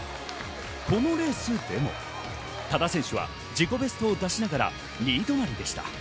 このレースでも多田選手は自己ベストを出しながら２位どまりでした。